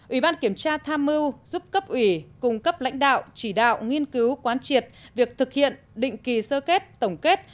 ủy ban kiểm tra tham mưu giúp cấp ủy cung cấp lãnh đạo chỉ đạo nghiên cứu quán triệt việc thực hiện định kỳ sơ kết tổng kết